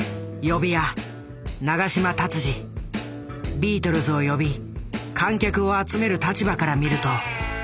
ビートルズを呼び観客を集める立場から見ると。